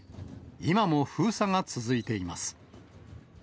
今も封鎖が続いています。